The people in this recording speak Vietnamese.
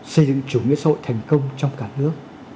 xây dựng chủ nghĩa xã hội thành công trong cả nước